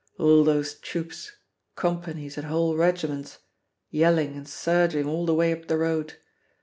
All those troops, companies and whole regiments, yelling and surging all the way up the road!